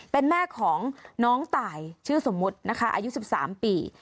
เป็นแม่ของน้องตายชื่อสมมุตินะคะอายุ๑๓ปี